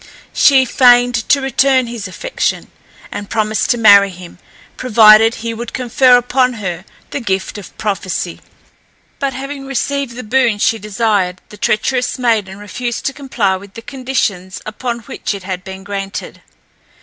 She feigned to return his affection, and promised to marry him, provided he would confer upon her the gift of prophecy; but having received the boon she desired, the treacherous maiden refused to comply with the conditions upon which it had been granted.